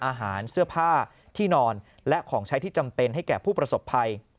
อาหารเสื้อผ้าที่นอนและของใช้ที่จำเป็นให้แก่ผู้ประสบภัย